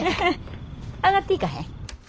上がっていかへん？